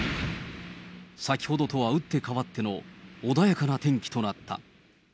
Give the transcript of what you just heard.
先ほどとは打って変わっての穏やかな天気となった。